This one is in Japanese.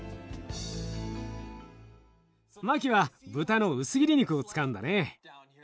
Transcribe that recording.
マキは豚の薄切り肉を使うんだね。